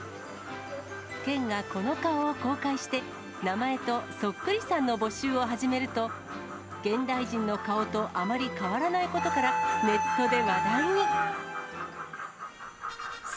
県がこの顔を公開して、名前とそっくりさんの募集を始めると、現代人の顔とあまり変わらないことから、ネットで話題に。